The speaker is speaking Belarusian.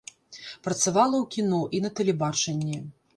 Працавала ў кіно і на тэлебачанні.